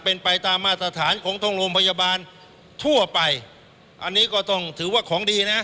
เป็นไปตามมาตรฐานของทางโรงพยาบาลทั่วไปอันนี้ก็ต้องถือว่าของดีนะ